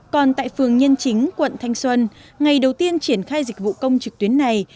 còn tại phường nhân chính quận thanh xuân ngày đầu tiên triển khai dịch vụ công trực tuyến này